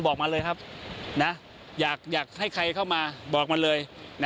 บอกมาเลยครับอยากให้ใครเข้ามาบอกมาเลย